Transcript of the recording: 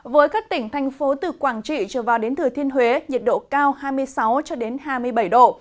với các tỉnh thành phố từ quảng trị trở vào đến thừa thiên huế nhiệt độ cao hai mươi sáu hai mươi bảy độ